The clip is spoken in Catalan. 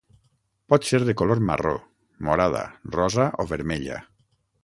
Pot ser de color marró, morada, rosa o vermella.